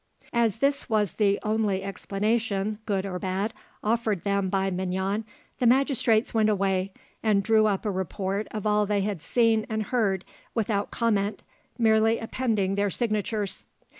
As this was the only explanation, good or bad, offered them by Mignon, the magistrates went away, and drew up a report of all they had seen and heard without comment, merely appending their signatures.